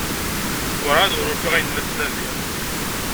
Werɛad ur ufiɣ ayen la ttnadiɣ.